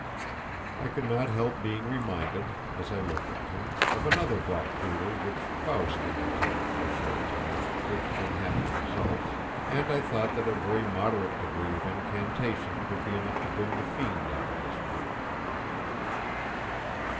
I could not help being reminded, as I looked at him, of another black poodle, which Faust entertained for a short time with unhappy results, and I thought that a very moderate degree of incantation would be enough to bring the fiend out of this brute.